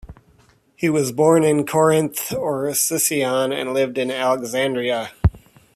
He was born in Corinth or Sicyon, and lived in Alexandria.